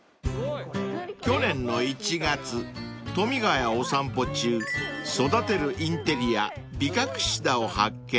［去年の１月富ヶ谷をお散歩中育てるインテリアビカクシダを発見］